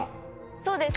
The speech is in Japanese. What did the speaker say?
そうです。